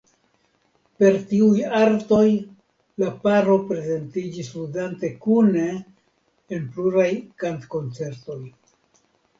Per tiuj artoj la paro prezentiĝis ludante kune en pluraj kantkoncertoj.